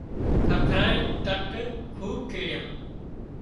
ککرانئي تٽ کوٻ ڪيڙيان